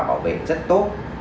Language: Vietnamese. bảo vệ rất tốt